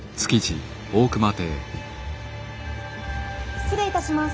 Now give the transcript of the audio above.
失礼いたします。